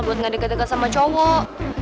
buat gak deg degel sama cowok